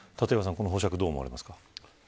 この保釈、どう思われますか。